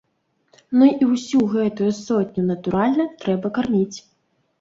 Ну і ўсю гэтую сотню, натуральна, трэба карміць.